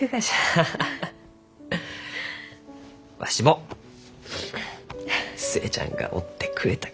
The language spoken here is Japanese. わしも寿恵ちゃんがおってくれたきこそ。